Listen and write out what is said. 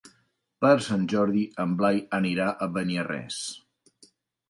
Per Sant Jordi en Blai anirà a Beniarrés.